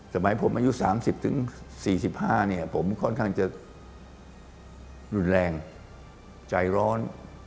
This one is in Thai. สมัยผมอายุ๓๐๔๕เนี่ยผมค่อนข้างจะรุนแรงใจร้อน